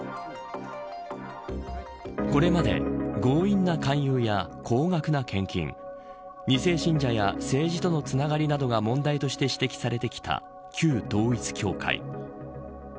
これまで強引な勧誘や高額な献金２世信者や政治とのつながりなどが問題として指摘されてきた旧統一教会。